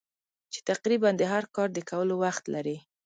چې تقریباً د هر کار د کولو وخت لرې.